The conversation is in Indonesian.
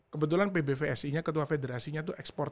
kebetulan pbvsi nya ketua federasinya tuh eksportir